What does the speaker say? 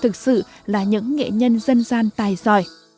thực sự là những nghệ nhân dân gian tài giỏi